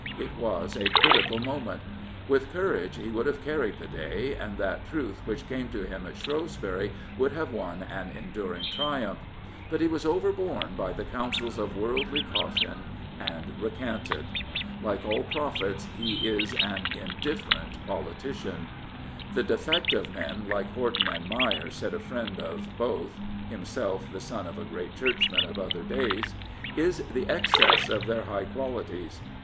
It was a critical moment. With courage he would have carried the day, and that truth which came to him at Shrewsbury would have won an enduring triumph. But he was overborne by the counsels of worldly caution and recanted. Like all prophets, he is an indifferent politician. " The defect of men like Horton and Meyer," said a friend of both — himself the son of a great Church 27a Dr. Horton man of other days, " is the excess of their high qualities.